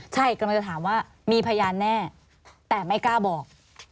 ใช่กำลังจะถามว่ามีพยานแน่แต่ไม่กล้าบอก